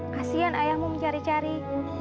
kasian ayahmu mencari cari